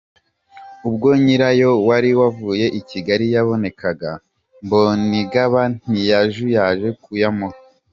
Ubwo nyirayo wari wavuye i Kigali yabonekaga, Mbonigaba ntiyajuyaje kuyamuha.